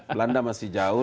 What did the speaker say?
belanda masih jauh